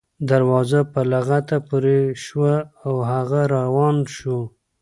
دروازه په لغته پورې شوه او هغه روان شو.